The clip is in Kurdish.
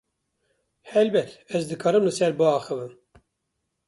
helbet, ez dikarim li ser biaxivim.